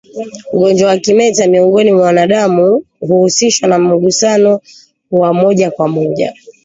ugonjwa wa kimeta miongoni mwa wanadamu huhusishwa na mgusano wa moja kwa moja